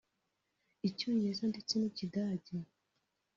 icyongereza ndetse n’ikidage